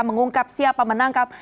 mengungkap siapa menangkap